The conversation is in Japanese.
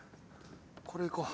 これいこう。